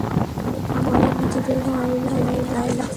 আমাদের নিচে যেতে হবে, লায়লা।